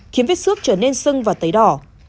khiến vết xước trở nên sưng và tấy đỏ